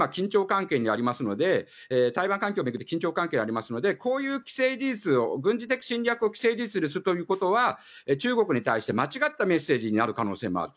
台湾海峡を巡っても今、緊張関係にありますのでこういう軍事侵略を既成事実にするということは中国に対して間違ったメッセージになる可能性もある。